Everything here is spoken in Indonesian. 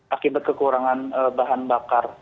akibat kekurangan bahan bakar